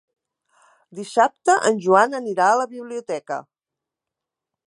Dissabte en Joan anirà a la biblioteca.